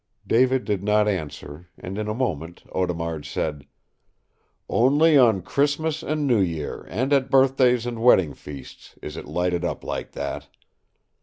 David did not answer, and in a moment Audemard said: "Only on Christmas and New Year and at birthdays and wedding feasts is it lighted up like that.